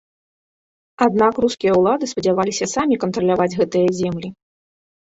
Аднак рускія ўлады спадзяваліся самі кантраляваць гэтыя землі.